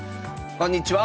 こんにちは。